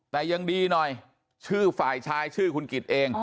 แต่ยังดีหน่อยชื่อฝ่ายชายชื่อคุณกิจเอง